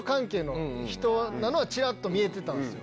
チラっと見えてたんすよ。